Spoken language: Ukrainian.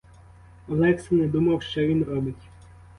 Олекса не думав, що він робить.